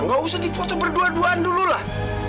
gak usah difoto berdua duan dulu lah